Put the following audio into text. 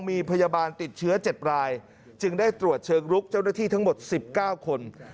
มีพยาบาลติดเชื้อ๗รายจึงได้ตรวจเชิงลุกเจ้าหน้าที่ทั้งหมด๑๙คน